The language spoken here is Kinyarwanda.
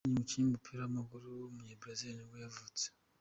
Doni, umukinnyi w’umupira w’amaguru w’umunyabrazil nibwo yavutse.